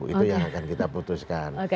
itu yang akan kita putuskan